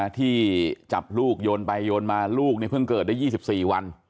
ที่จับลูกโยนไปโยนมาลูกเพิ่งเกิดได้๒๔วัน